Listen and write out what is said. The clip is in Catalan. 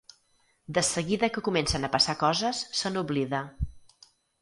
De seguida que comencen a passar coses se n'oblida.